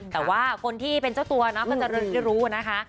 แต่ว่าคนที่เป็นเจ้าตัวเนาะก็จะรู้นะคะ